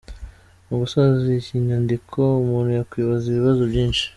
Mu gusoza iyi nyandiko umuntu yakwibaza ibibazo byinshi: